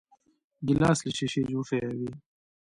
ګیلاس له شیشې جوړ شوی وي.